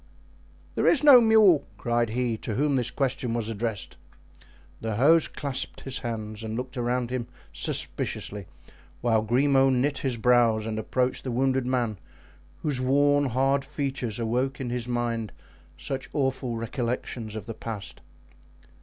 "There is no mule," cried he to whom this question was addressed. The host clasped his hands and looked around him suspiciously, whilst Grimaud knit his brows and approached the wounded man, whose worn, hard features awoke in his mind such awful recollections of the past.